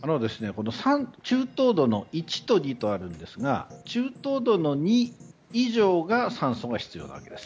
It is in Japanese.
中等度の１と２があるんですが中等度の２以上が酸素が必要なわけです。